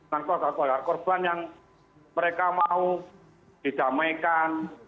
dengan kau agak korban yang mereka mau didamaikan